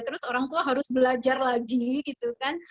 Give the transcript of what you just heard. terus orang tua harus belajar lagi gitu kan